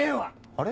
あれ？